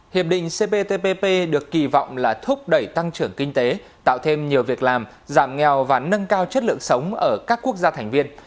hiệp định cptpp được kỳ vọng là thúc đẩy tăng trưởng kinh tế tạo thêm nhiều việc làm giảm nghèo và nâng cao chất lượng sống ở các quốc gia thành viên